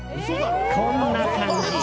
こんな感じ。